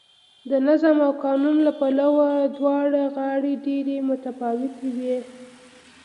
د نظم او قانون له پلوه دواړه غاړې ډېرې متفاوتې وې